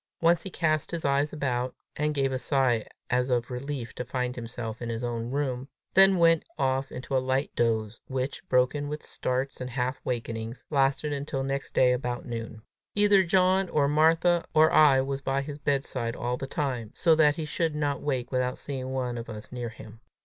Once he cast his eyes about, and gave a sigh as of relief to find himself in his own room, then went off into a light doze, which, broken with starts and half wakings, lasted until next day about noon. Either John or Martha or I was by his bedside all the time, so that he should not wake without seeing one of us near him.